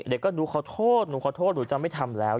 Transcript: เด็กก็หนูขอโทษหนูขอโทษหนูจะไม่ทำแล้ว